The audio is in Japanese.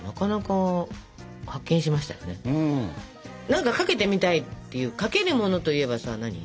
何かかけてみたいっていうかけるものといえばさ何？